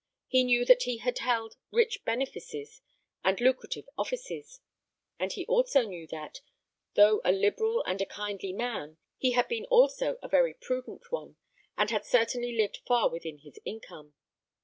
He knew that he had held rich benefices and lucrative offices; and he also knew that, though a liberal and a kindly man, he had been also a very prudent one, and had certainly lived far within his income.